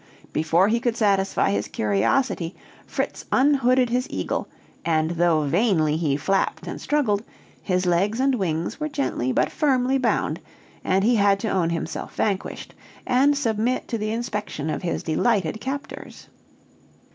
Before he could satisfy his curiosity, Fritz unhooded his eagle, and though vainly he flapped and struggled, his legs and wings were gently but firmly bound, and he had to own himself vanquished, and submit to the inspection of his delighted captors.